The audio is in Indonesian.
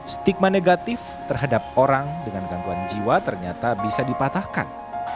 stigma negatif terhadap orang dengan gangguan jiwa ternyata bisa dipatahkan